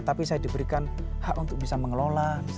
tapi saya diberikan hak untuk bisa mengelola